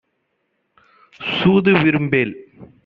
சூது விரும்பேல்.